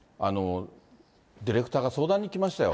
ディレクターが相談に来ましたよ。